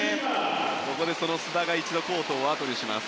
ここで須田が一度コートを後にします。